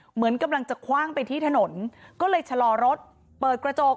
เหมือนกำลังจะคว่างไปที่ถนนก็เลยชะลอรถเปิดกระจก